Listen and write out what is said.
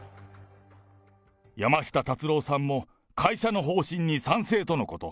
山下達郎さんも会社の方針に賛成とのこと。